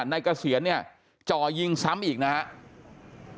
เกษียณเนี่ยจ่อยิงซ้ำอีกนะครับ